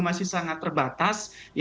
masih sangat terbatas